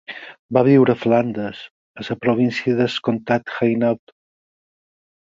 Va viure a Flandes a la província del Comtat d'Hainaut.